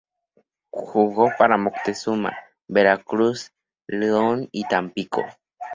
Jugó para Moctezuma, Veracruz, León y Tampico.